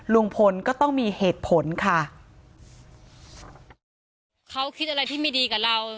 ลุงพลก็ต้องมีเหตุผลค่ะเขาคิดอะไรที่ไม่ดีกับเรา